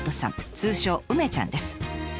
通称梅ちゃんです。